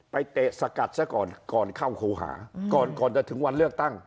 เตะสกัดซะก่อนก่อนเข้าครูหาก่อนก่อนจะถึงวันเลือกตั้ง